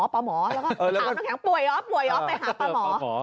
แล้วก็ถามตอนแข็งป่วยออกไปหาปลาหมอ